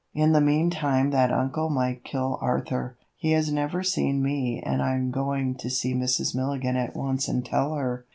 "In the meantime that uncle might kill Arthur. He has never seen me and I'm going to see Mrs. Milligan at once and tell her."